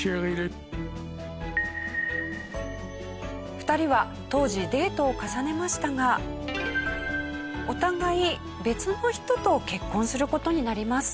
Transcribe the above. ２人は当時デートを重ねましたがお互い別の人と結婚する事になります。